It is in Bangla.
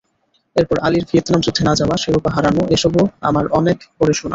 এরপর আলীর ভিয়েতনাম যুদ্ধে না-যাওয়া, শিরোপা হারানো এসবও আমার অনেক পরে শোনা।